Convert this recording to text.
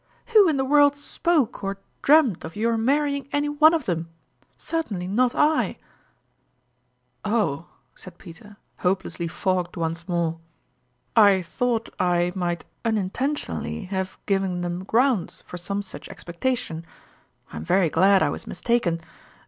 " Who in the world spoke or dreamed of your marrying any one of them ? Certainly not//" " Oh !" said Peter, hopelessly fogged once more. " I thought I might unintentionally have given them grounds for some such ex pectation. I'm very glad I was mistaken.